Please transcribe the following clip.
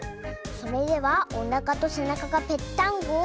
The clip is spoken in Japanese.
それでは「おなかとせなかがぺっタンゴ」を。